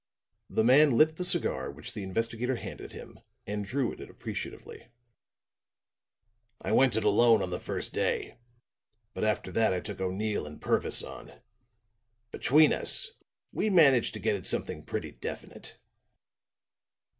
The man lit the cigar which the investigator handed him and drew at it appreciatively. "I went it alone on the first day; but after that I took O'Neill and Purvis on. Between us, we managed to get at something pretty definite."